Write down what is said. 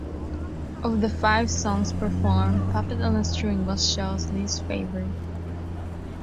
Of the five songs performed, "Puppet on a String" was Shaw's least favourite.